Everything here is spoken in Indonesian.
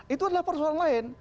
itu adalah persoalan lain